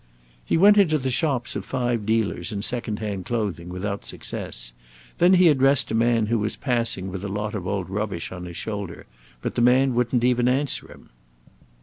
"He went into the shops of five dealers in second hand clothing without success. Then he addressed a man who was passing with a lot of old rubbish on his shoulder: but the man wouldn't even answer him."